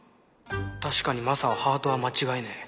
確かにマサはハートは間違いねえ。